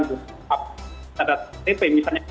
tidak ada tp misalnya